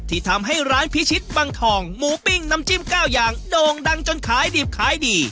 ที่ทำให้ร้านพิชิตบังทองหมูปิ้งน้ำจิ้ม๙อย่างโด่งดังจนขายดิบขายดี